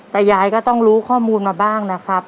แต่ยายก็ต้องรู้ข้อมูลมาบ้างนะครับ